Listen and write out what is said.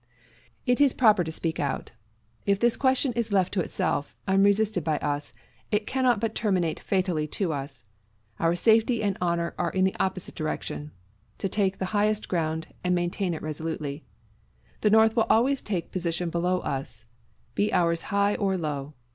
It is proper to speak out. If this question is left to itself, unresisted by us, it cannot but terminate fatally to us. Our safety and honor are in the opposite direction to take the highest ground, and maintain it resolutely. The North will always take position below us, be ours high or low.